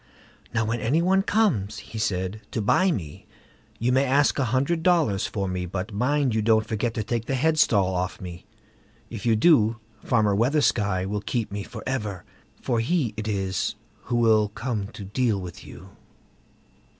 "Now, when any one comes", he said, "to buy me, you may ask a hundred dollars for me; but mind you don't forget to take the headstall off me; if you do, Farmer Weathersky will keep me for ever, for he it is who will come to deal with you."